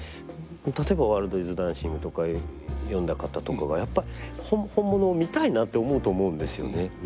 例えば「ワールドイズダンシング」とか読んだ方とかがやっぱり本物を見たいなと思うと思うんですよね。